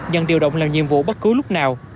nhận điều động làm nhiệm vụ bất cứ lúc nào